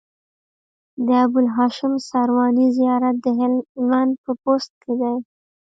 د ابوالهاشم سرواني زيارت د هلمند په بست کی دی